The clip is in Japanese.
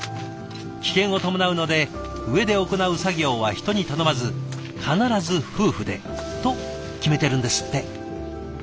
危険を伴うので上で行う作業は人に頼まず必ず夫婦でと決めてるんですって。